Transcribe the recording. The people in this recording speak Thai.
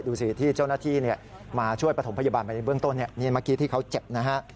ดูสิที่เจ้านักที่มาช่วยปฐมพยาบาลในเบื้องต้น